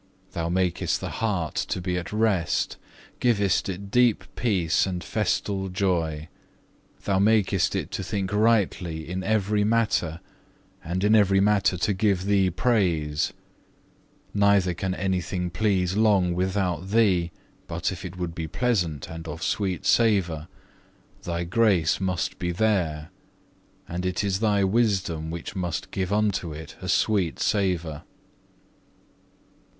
Thou makest the heart to be at rest, givest it deep peace and festal joy. Thou makest it to think rightly in every matter, and in every matter to give Thee praise; neither can anything please long without Thee but if it would be pleasant and of sweet savour, Thy grace must be there, and it is Thy wisdom which must give unto it a sweet savour.